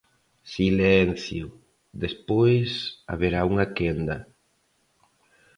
Silencio, despois haberá unha quenda.